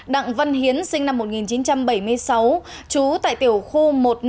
đặng văn hiến sinh năm một nghìn chín trăm bảy mươi sáu chú tại tiểu khu một nghìn năm trăm ba mươi năm